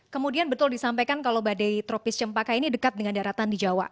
kemudian betul disampaikan kalau badai tropis cempaka ini dekat dengan daratan di jawa